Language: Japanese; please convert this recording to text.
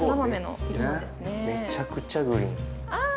めちゃくちゃグリーン。